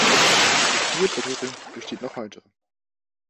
Die Fiat-Vertretung besteht noch heute.